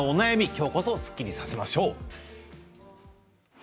今日こそすっきりさせましょう。